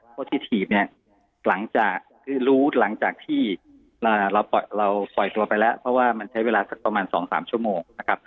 เพราะที่ทีบรู้หลังจากที่เราปล่อยตัวไปแล้วเพราะว่าใช้เวลาสักประมาณ๒๓ชั่วโมง